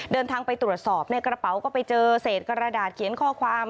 เดินทางไปตรวจสอบในกระเป๋าก็ไปเจอเศษกระดาษเขียนข้อความ